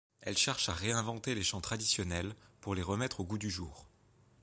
Elle cherche à réinventer les chants traditionnels, pour les remettre au goût du jour.